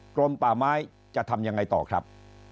กรมป่าไม้จะทำยังไงต่อครับ